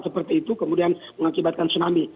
seperti itu kemudian mengakibatkan tsunami